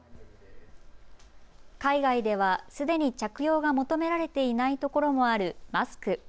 海外ではすでに着用が求められていないところもあるマスク。